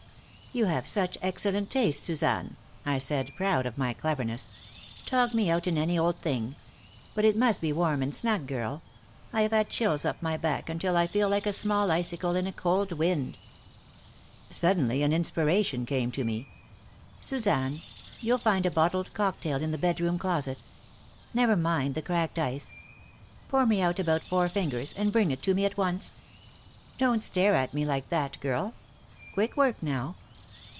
"You have such excellent taste, Suzanne," I said, proud of my cleverness. "Tog me out in any old thing. But it must be warm and snug, girl. I have had chills up my back until I feel like a small icicle in a cold wind." Suddenly an inspiration came to me. "Suzanne, you'll find a bottled cocktail in the bedroom closet. Never mind the cracked ice. Pour me out about four fingers and bring it to me at once. Don't stare at me like that, girl! Quick work, now.